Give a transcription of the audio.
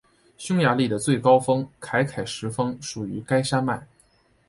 匈牙利的最高峰凯凯什峰属于该山脉。